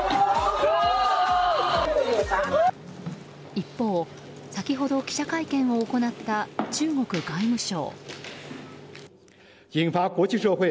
一方、先ほど記者会見を行った中国外務省。